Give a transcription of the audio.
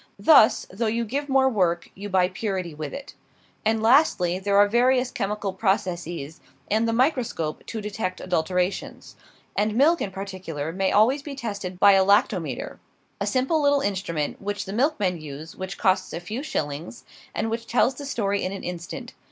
Thus, though you give more work, you buy purity with it. And lastly, there are various chemical processes, and the microscope, to detect adulterations; and milk, in particular, may always be tested by a lactometer, a simple little instrument which the milkmen use, which costs a few shillings, and which tells the story in an instant.